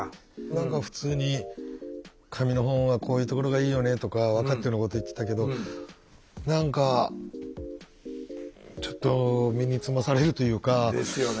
何か普通に「紙の本はこういうところがいいよね」とか分かってるようなこと言ってたけど何かちょっと身につまされるというか。ですよね。